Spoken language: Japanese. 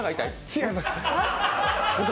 違います！